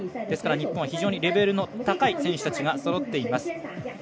ですから、日本は非常にレベルの高い選手たちがそろっています。